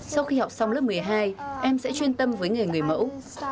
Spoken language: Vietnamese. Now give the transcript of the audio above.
sau khi học xong lớp một mươi hai em sẽ chuyên tâm với nghề người mẫu